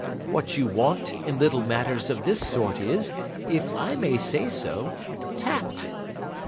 What you want in little matters of this sort is, if I may say so, tact.